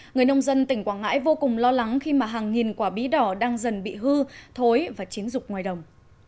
người nông dân tỉnh quảng ngãi vô cùng lo lắng khi mà hàng nghìn quả bí đỏ đang dần bị hư thối và chiến dục ngoài đồng